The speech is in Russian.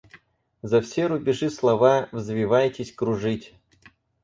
За все рубежи слова — взвивайтесь кружить.